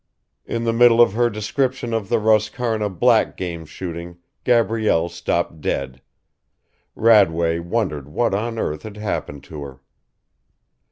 In the middle of her description of the Roscarna black game shooting Gabrielle stopped dead. Radway wondered what on earth had happened to her.